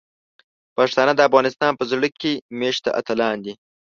پښتانه د افغانستان په زړه کې میشته اتلان دي.